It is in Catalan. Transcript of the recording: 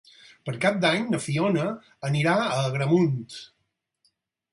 Per Cap d'Any na Fiona anirà a Agramunt.